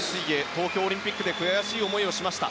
東京オリンピックで悔しい思いをしました。